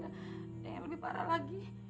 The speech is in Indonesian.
dan yang lebih parah lagi